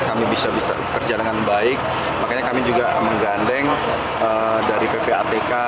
kami bisa kerja dengan baik makanya kami juga menggandeng dari ppatk